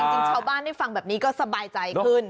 จริงชาวบ้านได้ฟังแบบนี้ก็สบายใจขึ้น